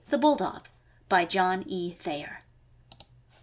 THE BULLDOG. BY JOHN E. THAYER.